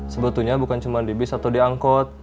sebetulnya bukan cuma di bis atau diangkut